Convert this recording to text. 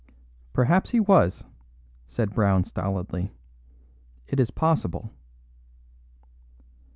"Perhaps he was," said Brown stolidly; "it is possible."